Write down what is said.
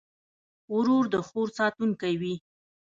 ورور د خور ساتونکی وي.